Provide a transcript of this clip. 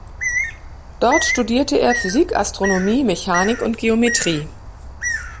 Dort studierte er Physik, Astronomie, Mechanik und Geometrie.